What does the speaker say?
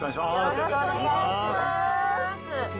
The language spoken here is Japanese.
よろしくお願いします。